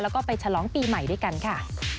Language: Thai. แล้วก็ไปฉลองปีใหม่ด้วยกันค่ะ